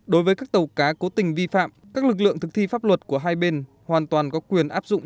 đối với các tàu cá cố tình vi phạm các lực lượng thực thi pháp luật của hai bên hoàn toàn có quyền áp dụng